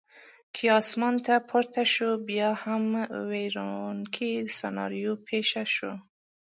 کې اسمان ته پورته شوه، بیا هم وېروونکې سناریو پېښه شوه.